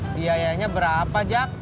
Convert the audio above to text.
biayanya berapa jak